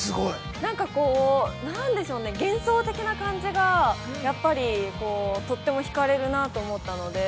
◆なんかこう、なんでしょうね、幻想的な感じがやっぱりとってもひかれるなと思ったので。